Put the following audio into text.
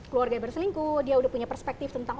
keluarga berselingkuh dia sudah punya perspektif tentang